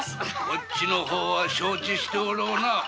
こっちの方は承知しておろうな。